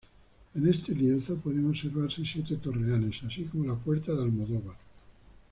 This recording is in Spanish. En este lienzo pueden observarse siete torreones así como la puerta de Almodóvar.